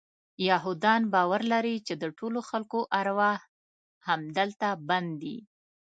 یهودان باور لري چې د ټولو خلکو ارواح همدلته بند دي.